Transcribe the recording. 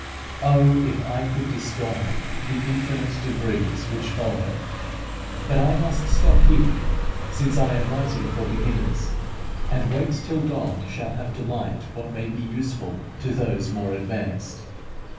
Oh, if I could describe the infinite degrees which follow! But I must stop here, since I am writing for beginners, and wait till God shall bring to light what may be useful to those more advanced.